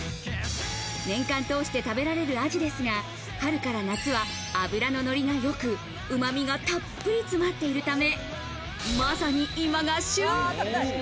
年間通して食べられるアジですが、春から夏は脂ののりがよく、うま味がたっぷり詰まっているため、まさに今が旬。